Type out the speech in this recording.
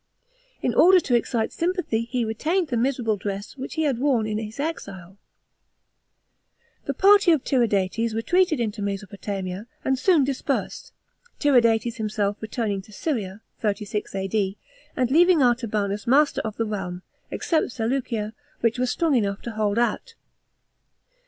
In order to excite sympathy he retained the miserable dress which he had worn in his exile. The party of Tiridates retreated into Mesopotamia, and soon dispersed, Tiridates himself returning to Syria (36 A.D.), and leaving Artabanus master of the realm, except Seleucia, which was 85 A.D. QUESTION OF THE SUCCESSION. 209 strong enough to hold out.